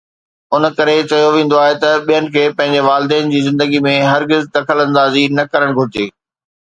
ان ڪري چيو ويندو آهي ته ٻين کي پنهنجي والدين جي زندگيءَ ۾ هرگز دخل اندازي نه ڪرڻ گهرجي